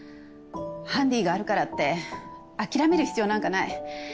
ハンディがあるからって諦める必要なんかない。